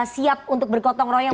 siap untuk berkotong royong